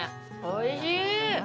おいしい！